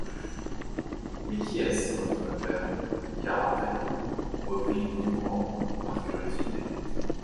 Mais qui est-ce, votre notaire? car après tout... reprit Bongrand par curiosité.